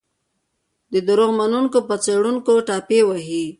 د دروغو منونکي په څېړونکو ټاپې وهي.